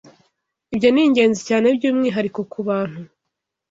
Ibyo ni ingenzi cyane by’umwihariko ku bantu